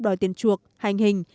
đòi tiền chuộc hành hình